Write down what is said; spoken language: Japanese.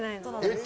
えっ？